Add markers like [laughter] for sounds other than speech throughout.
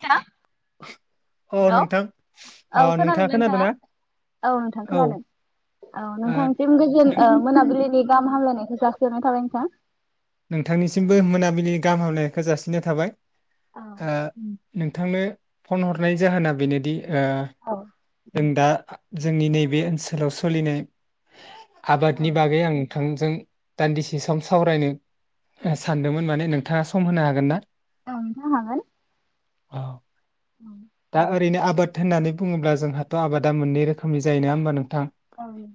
[unintelligible] अ हेल नोंथां औ खोनादों ना नोंथाङा औ नोंथां खोनादों औ नोंथांसिम गोजोन नों मोनाबिलिनि गाहाम हामलायनायखौ जासि हरनाय थलेंफा नोंथांनिसिमबो मोनाबिलिनि गाहाम हामलायनायखौ जासिनाय थाबाय औ ओ नो थांनो फन हरनाय जाहोना बेनोदि ओ। औ जों दा जोंनि नैबे ओनसोलाव सोलिनाय औ आबादनि बागै आं नोंथांजों दान्दिसे सम सावरायनो सानदोंमोन माने नोंथाङा सम होनो हागोन ना औ [unintelligible] औ दा ओरैनो आ बाद होननानै बुङोब्ला जोंहाथ आबादा मोननै रोखोमनि जायो नोङा होमबा नों ओं [inaudible]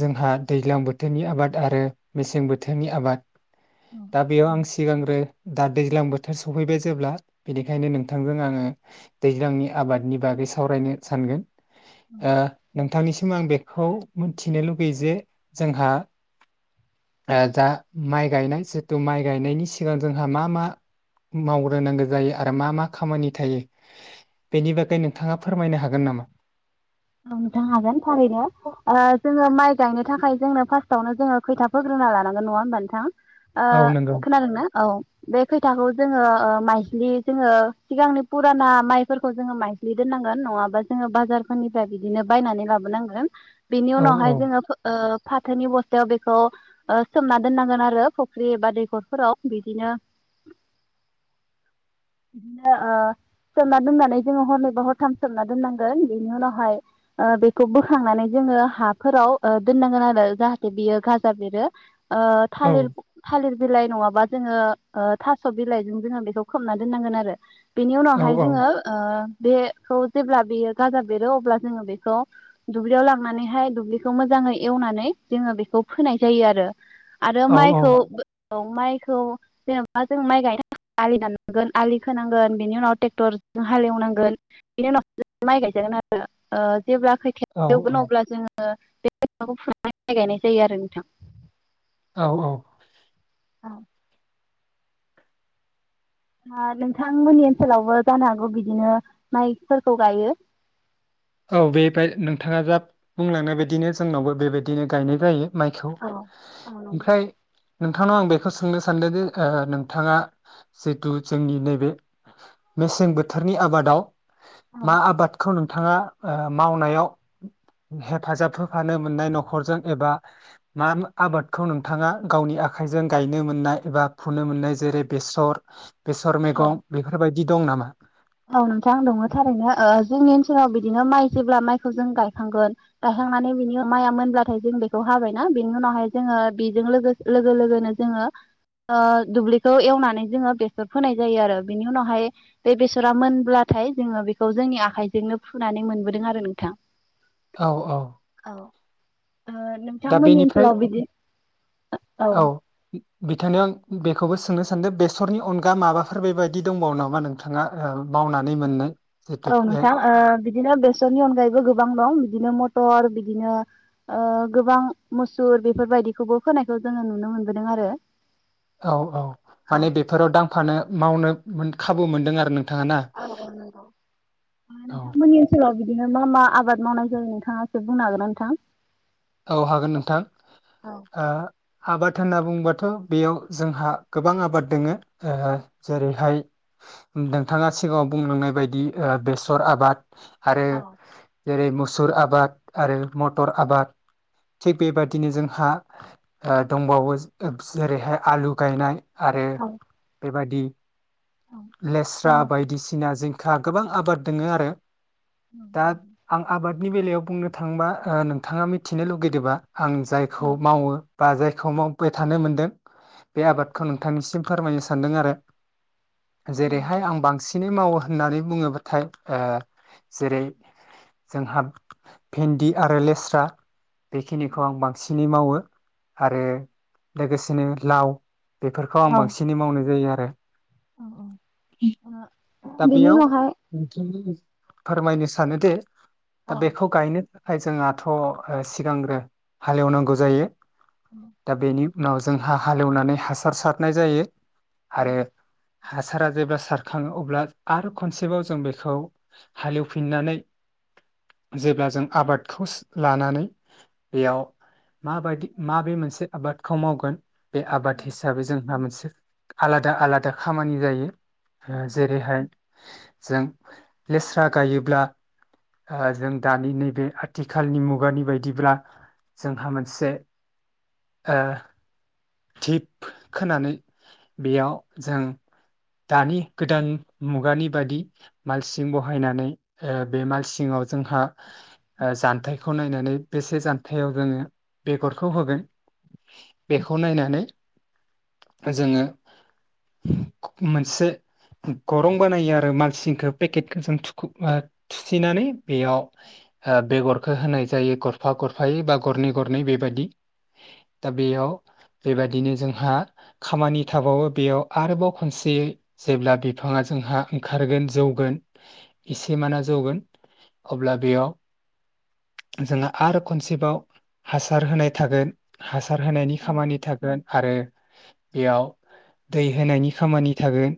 जोंहा दैज्लां बोथोरनि आबाद आरो मेसें बोथोरनि आबाद दा बेयाव आं सिगांग्रो दा दैज्लां बोथोर सफैबाय जेब्ला बेनिखायनो नोंथांजों आङो दैज्लांनि आबादनि बागै सा सावरायनो सानगोन औ ओ नोंथांनि सिम आं बेखौ मोनथिनो लुगैयो जे जोंहा ओ दा माइ गायनाय जिथु माइ गायनायनि सिगां जोंहा मा मा मावग्रोनांगौ जायो आरो मा मा खामानि थायो बेनि बागै नों थाङा फोरमायनो हागोन नामा? नोंथां हागोन थारैनो ओ जोङो माइ गायनो थाखाय जोंनो फार्स्टआवनो जोङो खैथा फोग्रोना लानांगोन नङा होमबा नोंथां ओ औ नंगौ खोनादोंना औ बे खैथाखौ जोङो ओ माइस्लि जोङो सिगांनि पुराना माइफोरखौ जोङो माइस्लि दोननांगोन नङाबा जोङो बाजारफोरनि फ्राय बिदिनो बायनानै लाबोनांगोन बेनि औ उनावहाय जोङो फो ओ फाथोनि बस्थायाव बेखौ ओ सोमना दोननांगोन आरो फुख्रि बा दैखरफोराव बिदिनो बिदिनो ओ सोमना दोननानै जोङो हरनैबा हरथाम सोमना दोननांगोन बेनि उनाव हाय ओ बेखौ बोखांनानै जोङो हाफोराव ओ दोननांगोन आरो जाहाथे बियो गाजा बेरो। ओ औ थालिर थालिर बिलाइ नङाबा जोङो ओ थास बिलाइजों जोङो बेखौ खोबना दोननांगोन आरो। बेनि औ उनावहाय औ जोङो ओ बेखौ जेब्ला बियो गाजा बेरो अ ब्ला जोङो बेखौ दुब्लियाव लांनानैहाय दुब्लिखौ मोजाङै एवनानै जोङो बेखौ फोनाय जायो आरो। आरो औ माइखौ औ माइखौ जेनेबा जों माइ गायनो थाखाय आलि दाननांगोन आलि खोनांगोन बेनि उनाव ट्रेक्टरजों हालेवनांगोन बिनि उनाव जों माइ गायजागोन आरो ओ जेब्ला औ खैथाया जौगोन अब्ला जोङो [inaudible] बे [inaudible] फुनानै माइ गायनाय जायो आरो नोंथां औ औ औ औ दा नोंथांमोननि ओनसोलावबो जानो हागौ बिदिनो माइफोरखौ गायो औ बेबाय नोंथाङा जा बुंलांनाय बायदिनो जोंनावबो बेबायदिनो गायनाय जायो माइखौ औ नंगौ। ओमफ्राय नोंथांनाव आं बेखौ सोंनो सानदोंदि ओ नोंथाङा जिथु जोंनि नैबे मेसें बोथोरनि आबादाव औ मा आबादखौ नों थाङा ओ मावनायाव हेफाजाब हो फानो मोननाय न'खरजों एबा मा आबादखौ नोंथाङा गावनि आखाइजों गायनो मोननाय एबा फुनो मोननाय जेरै बेसर बेसर औ मैगं बेफोरबाय दि दं नामा? औ नोंथां दङो थारैनो ओ जोंनि ओनसोलाव बिदिनो माइ जेब्ला माइखौ जों गायखांगोन गायखांनानै बिनि माइआ मोनब्लाथाय जों बेखौ हाबायना बेनि उनावहाय जोङो बेजों लोगोस लोगो लोगोनो जोङो ओ दुब्लिखौ एवनानै जोङो बेसर फोनाय जायो आरो। बेनि उनावहाय बे बेस सरा मोनब्लाथाय जोङो बेखौ जोंनि आखाइजोंनो फुनानै मोनबोदों आरो नोंथां। औ औ ओ दा नोंथांमोननि बेनिफ्राय ओनसोलाव बिदि औ बिथांनियाव आं बेखौबो सोंनो सानदो, बेसरनि अनगा माबाफोर बे बायदि दंबावो नामा नोंथाङा ओ मावनानै मोननाय? जिथु औ बे नोंथां ओ बिदिनो बेसरनि अनगायैबो गोबां दं। दिनो मथर बिदिनो ओ गोबां मुसुर बेफोरबायदिखौबो होनोनायखौ जोङो नुनो मोनबोदों आरो। औ औ माने बेफोराव दांफानो मावनो मोन खाबु मोनदों आरो नों ओ औ नोंथां ओनसोलाव बिदिनो मा मा आबाद मावनाय जायो नोंथाङा एसे बुंनो हागोन नोंथां? औ हागोन नोंथां औ ओ आबाद होनना बुंबाथ' बेयाव जोंहा गोबां आबाद दोङो। ओ जेरैहाय उम नोंथाङा सिगाङाव बुंलांनाय बायदि ओ बेसर आबाद आरो औ जेरै मुसुर आबाद आरो मटर आबाद थिग बेबादिनो जोंहा ओ दंबावो [unintelligible] जेरैहाय आलु गायनाय आरो बेबाय दि लेस्रा औ बायदिसिना जिं खा गोबां आबाद दोङो आरो। ओं नि बेलायाव बुंनो थाङोबा ओ नोंथाङा मिथिनो लुगैदोबा आं जायखौ मावो बा जायखौ मावबाय थानो मोनदों बे आबादखौ नोंथांनिसिम फोरमायनो सा सान्दों आरो। जेरैहाय आं बांसिनै मावो होननानै बुङोबाथाय ओ जेरै जोंहा भेन्दि आरो लेस्रा बेखिनिखौ आं बांसिनै मावो। आरो लोगोसेनो लाव बेफोरखौ आं बांसिनै मावनाय जायो आरो। [inaudible] औ औ ओ दा बेयाव फोरमायनो सानो दे दा बेखौ गायनो जोंहाथ' सिगांग्रो हालेवनांगौ जायो। दा बेनि उनाव जोंहा हालेवनानै हासार सारनाय जायो। आरो। हासारा जेब्ला सारखाङो अब्ला। आरो खनसेबाव जों बेखौ हालेवफिननानै जेब्ला जों आबादखौ लानानै बेयाव माबायदि माबे मोनसे आबाद। खौ मावगोन। बे आबाद हिसाबै जोंहा मोनसे आलादा आलादा खामानि जायो। ओ जेरैहाय जों लेस्रा गायोब्ला ओ जों दानि नैबे आथिखालनि मुगानि बायदिब्ला जोंहा मोनसे ओ दिप खोनानै बेयाव जों दानि गोदान मुगानि बायदि मालसिं बहायनानै ओ बे मालसिङाव जोंहा ओ जान्थाइखौ नायनानै बेसे जान्थायाव जोङो बेगरखौ होगोन बेखौ नायनानै जोङो मोनसे ग'रं बानायो आरो मालसिंखौ पेकेटखौ जों [unintelligible] थुसिनानै बेयाव ओ बेगर। खो होनाय जायो गरफा गरफायै बा गरनै गरनैयै बेबादि दा बेयाव बेबादिनो जोंहा खामानि थाबावो बेयाव आरोबाव खनसेयै जेब्ला [unintelligible] जोंहा ओंखारगोन जौगोन खिसुमाना जौगोन अब्ला बेयाव जोंहा आरो मोनसेबाव हासार होननाय थागोन। हासार होनायनि औ खामानि थागोन आरो बेयाव दै होनायनि खामानि थागोन।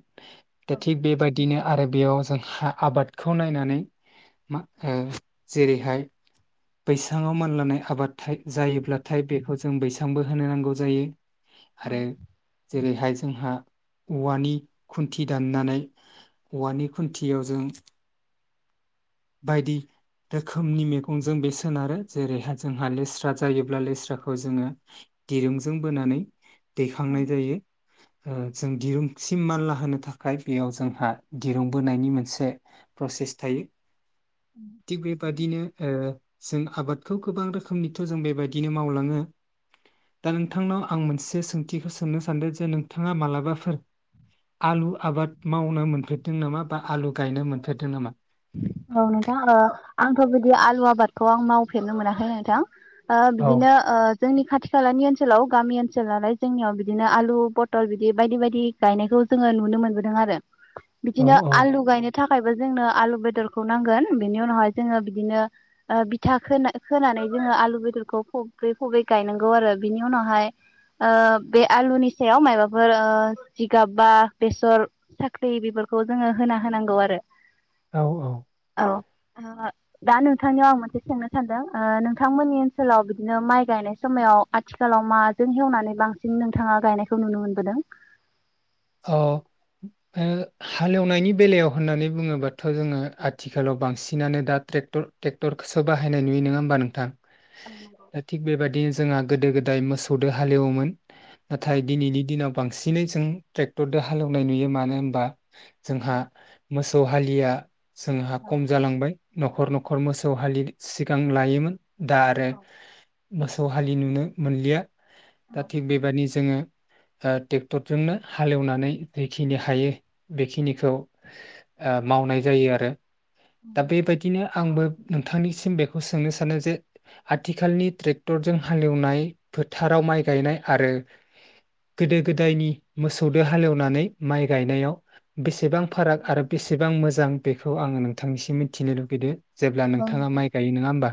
दा औ थिग बेबायदिनो आरो बेयाव जों आबादखौ नायनानै [unintelligible] जेरैहाय बैसाङाव मानलानाय आबाद जायोब्लाथाय बेखौ जों बैसांबो होनो नांगौ जायो। आरो औ जेरैहाय जोंहा औवानि खुन्थि दाननानै औवानि खुन्थियाव जों बायदि रोखोमनि मैगंजों बे सोनारो जेरैहाय जोंहा लेस्रा जायोब्ला लेस्राखौ जोङो दिरुंजों बोनानै दैखांनाय जायो ओ जों दिरुंसिम मानला होनो था खाय बेयाव जोंहा दिरुंबोनायनि मोनसे प्रसेस थायो। थिग बेबादिनो ओ जों आबादखौ गोबां रोखोमनिथ' जों बेबायदिनो मावलाङो। दा नोंथांनाव आं मोनसे सोंथिखौ सोंनो सानदों जे नोंथाङा मालाबाफोर आलु आबाद मावनो मोनफेरदों नामा बा आलु गायनो मोनफेरदों नामा? औ नोंथां ओ आंथ' बिदि आलु आबादखौ आं मावफेरनो मोनाखै नोंथां। ओ औ बिदिनो ओ जोंनि खाथि खालानि ओनसोल लाव गामि ओनसोल नालाय जोंनियाव बिदिनो आलु पटल बिदि बायदि बायदि गायनायखौ जोङो नुनो मोनबोदों आरो औ बिदिनो आलु गायनो था खायबो जोंनो आलु बेदर खौ नांगोन बेनि उनावहाय जोङो बिदिनो ओ बिथा खोना-खोनानै जोङो आलु बेदरखौ फबै फबै गायनांगौ आरो बिनि उनावहाय ओ बे आलुनि सायाव माबाफोर ओ जिगाब बा बेसर साख्रि बेफोरखौ जोङो होना होनांगौ आरो औ औ औ दा नोंथांनियाव आं मोनसे सोंनो सानदों ओ नोंथांमोननि ओनसोलाव बिदिनो माइ गायनाय समायाव आथिखालाव माजों एवनानै बांसिन नोंथाङा गायनायखौ नुनो मोनबोदों? अ ओ हालेवनायनि बेलायाव होननानै बुङोबाथ' जोङो आथिखालाव बांसिनानो दा ट्रेकटर टेक्टरखौसो बाहायनाय नुयो नङा होमबा नोंथां? दा थिग बेबादि जोंहा गोदो गोदाय मोसौदो हालेवोमोन नाथाय दिनैनि दिनाव बांसिनै जों ट्रेक्टरदो हालेवनाय नुयो । मानो होनबा जोंहा मोसा हालिया जोंहा खम जालांबाय न'खर न'खर मोसौ हलि सिगां लायोमोन। दा आरो मोसौ हालि नुनो मोनलिया। दा थिग बेबायदि जोङो ओ टेक्टरजोंनो हालेवनानै जेखिनि हायो बेखिनिखौ ओ मावनाय जायो आरो। दा बेबायदिनो आंबो नोंथांनिसिम बेखौ सोंनो सानो जे आथिखालनि ट्रेक्टरजों हालेवनाय फोथाराव माइ गायनाय आरो गोदो गोदायनि मोसौदो हालेवनानै माइ गायनायाव बेसेबां फाराग आरो बेसेबां मोजां बेखौ आङो नों नोंथांनिसिम मिथिनो लुगैदो जेब्ला नोंथाङा माइ गायो नोङा होमबा?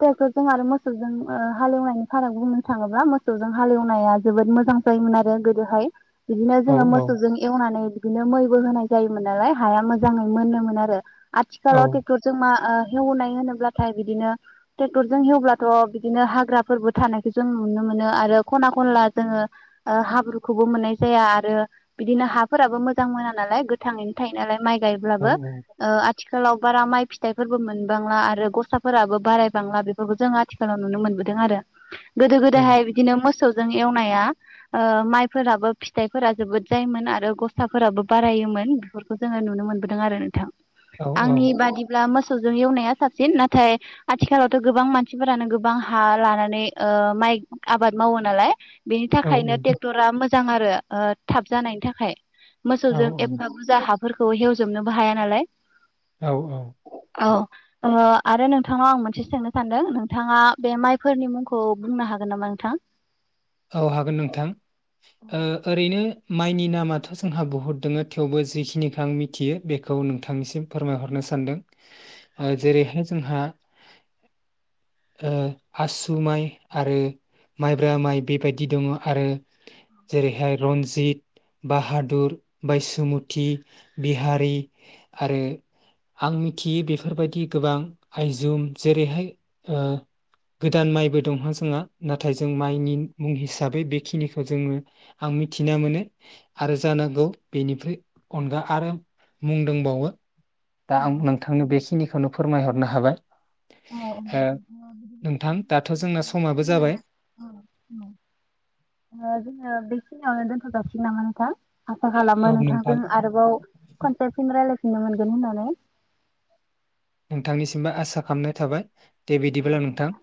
टेक्टरजों आरो मोसौजों ओ हालेवनायनि फाराग बुंनो थाङोब्ला मोसौजों हालेवनाया जोबोद मोजां जायोमोन आरो गोदो हाय। बिदिनो औ जोङो मोसौजों एवनानै बिदिनो मैबो होनाय जायोमोन नालाय हाया मोजाङै मोनोमोन आरो। औ आथिखालाव टे एवनाय होनो ब्लाथाय बिदिनो ट्रेक्टरजों एवब्लाथ' बिदिनो हाग्रा फोरबो थानायखौ जों नुनो मोनो आरो खना खनला जोङो ओ हाब्रु खौबो मोननाय जाया आरो बिदिनो हा फोराबो मोजां मोना नालाय गोथाङैनो थायो नालाय माइ औ जायोब्लाबो ओ आथि हेल' बारा माइ फिथाइ फोरबो मोनबांला आरो गसा फोराबो बाराय बांला बेफोरखौ जों आथिखालाव नुनो मोनबोदों आरो। गोदो औ गोदाय हाय बिदिनो मोसौ जों एवनाया ओ माइ फोराबो फिथाइ फोरा जोबोद जायोमोन आरो गसा फोराबो बारायोमोन बेफोरखौ जोङो नुनो मोनबोदों आरो नोंथां। औ औ। बिदिब्ला मोसौजों एवनाया साबसिन नाथाय आथि खालावथ' गोबां मानसि फोरानो गोबां हा लानानै माइ आबाद मावो नालाय बेनि थाखायनो ट्रेक्टरा मोजां आरो। ओ थाब जानायनि थाखाय। मोसौजों औ एफा बुरजा हाब फोरखौ एव जोबनोबो हाया नालाय। औ औ। औ ओ आरो नोंथानाव आं मोनसे सोंनो सानदों नोंथाङा बे माइ फोरनि मुंखौ बुंनो हागोन नामा नोंथां? औ हागोन नोंथां ओ ओरैनो माइनि नामाथ' जोंहा बुहुद दङ थेवबो जिखि निखौ आं मिथियो बेखौ नोंथांनि सिम फोरमाय हरनो सानदों। जेरैहाय जोंहा ओ आसु माइ आरो माइब्रा माइ बेबायदि दङ आरो जेरैहाय रन्जित' बाहादुर, बायसुमुति, बिहारि आरो आं मिथियै बेफोर बायदि गोबां आइजुम जेरैहाय ओ गोदान माइबो दं जोंहा। नाथाय जों माइनि हिसाबै बेखिनिखौ जोङो आं मिथिना मोनो आरो जानां गौ बेनिफ्राय अनगा आरो मुं दंबावो। दा आं नोंथांनो बेखिनिखौ खौनो फोरमाय हरनो हाबाय। अ ओ बिदि नोंथां दाथ' जोंना समाबो जाबाय [inaudible] ओम ओम। ओनजोङो बेखिनि यावनो दोनथ' जासिगोन नामा नोंथां? आसा खालामो औ नोंथां नोंथांजों आरोबाव खनसे फिन रायलाय नो मोनगोन होननानै। नोंथांनि सिमबो आसा खालामनाय थाबाय। औ दे नोंथां।